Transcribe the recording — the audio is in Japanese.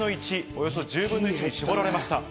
およそ１０分の１に絞られました。